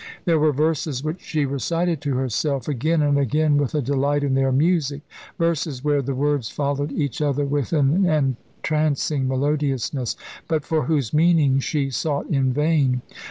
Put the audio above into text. There were verses which she recited to herself again and again, with a delight in their music verses where the words followed each other with an entrancing melodiousness but for whose meaning she sought in vain.